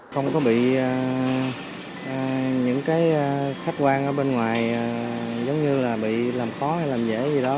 không có bị những cái khách quan ở bên ngoài giống như là bị làm khó hay làm dễ gì đó